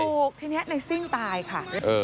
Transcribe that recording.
ถูกทีนี้ในซิ่งตายค่ะ